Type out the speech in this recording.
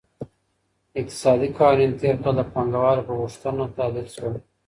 اقتصادي قوانين تېر کال د پانګوالو په غوښتنه تعديل سول.